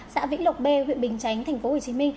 xã vĩnh lộc b huyện bình chánh tp hcm